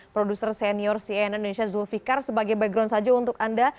produser senior cnn indonesia zulfikar sebagai background saja untuk anda